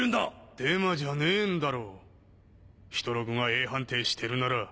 デマじゃねえんだろヒトログがＡ判定してるなら。